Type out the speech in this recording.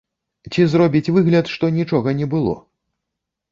Ці зробіць выгляд, што нічога не было?